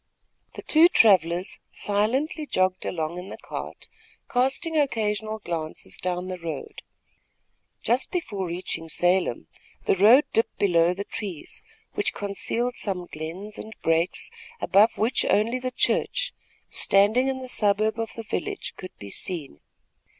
The two travellers silently jogged along in the cart, casting occasional glances down the road. Just before reaching Salem, the road dipped below the trees, which concealed some glens and breaks, above which only the church, standing in the suburb of the village, could be seen.